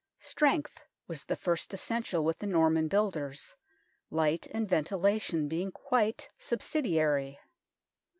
Strength was the first essential with the Norman builders, light and ventilation being quite subsidiary.